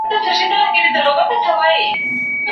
هر گړی راته تر سترگو سترگو کېږې